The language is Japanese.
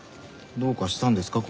どうかしたんですか？